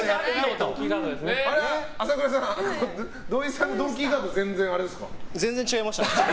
朝倉さん、土井さんのドンキーガードはあれですか？